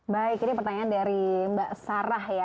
baik ini pertanyaan dari mbak sarah ya